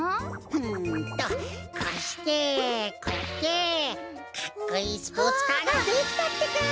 うんとこうしてこうやってかっこいいスポーツカーができたってか！